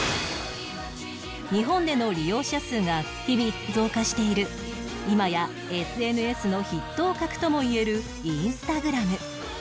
日本での利用者数が日々増加している今や ＳＮＳ の筆頭格ともいえる Ｉｎｓｔａｇｒａｍ